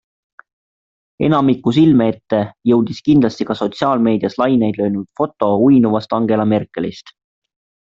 Enamiku silme ette jõudis kindlasti ka sotsiaalmeedias laineid löönud foto uinuvast Angela Merkelist.